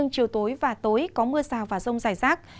chiều tối và tối có mưa rào và rông rải rác